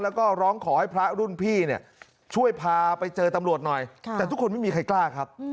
แล้วก็ร้องขอให้พระรุ่นพี่เนี่ยช่วยพาไปเจอตำรวจหน่อยแต่ทุกคนไม่มีใครกล้าครับ